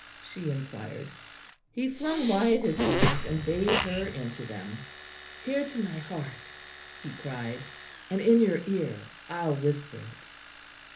she inquired. He flung wide his arms, and bade her into them. "Here to my heart," he cried, "and in your ear I'll whisper it."